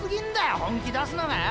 本気出すのがよ。